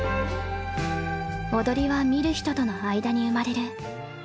踊りは観る人との間に生まれる。